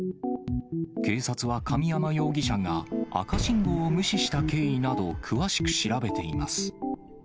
警察は神山容疑者が、赤信号を無視した経緯などを詳しく調べています。